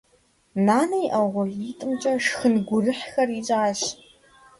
Нанэ и Ӏэ угъурлитӀымкӀэ шхын гурыхьхэр ищӀащ.